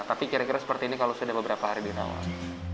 tapi kira kira seperti ini kalau sudah beberapa hari dirawat